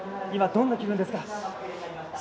今、どんな気分ですか？